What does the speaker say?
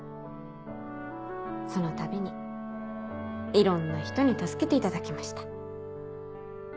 そのたびにいろんな人に助けていただきました。